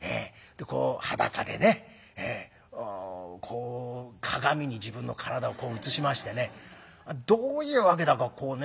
裸でねこう鏡に自分の体を映しましてねどういう訳だかこうね